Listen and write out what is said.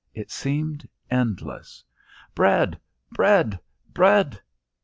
It seemed endless. "Bread! Bread! Bread!"